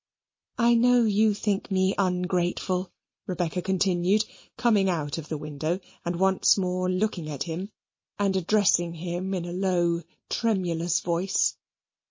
"I know you think me ungrateful," Rebecca continued, coming out of the window, and once more looking at him and addressing him in a low tremulous voice.